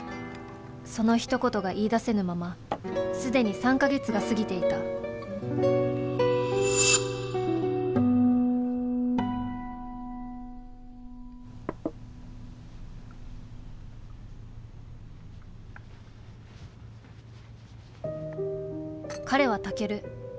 そのひと言が言いだせぬまますでに３か月が過ぎていた彼はタケル。